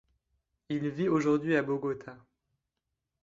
Il vit aujourd’hui à Bogotá.